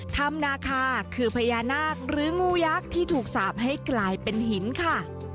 ธรรมนาคาคือพญานาคหรืองูยักษ์ที่ถูกสาปให้กลายเป็นหินค่ะ